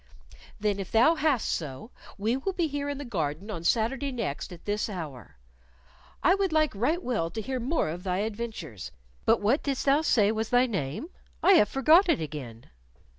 "Then, if thou hast so, we will be here in the garden on Saturday next at this hour. I would like right well to hear more of thy adventures. But what didst thou say was thy name? I have forgot it again."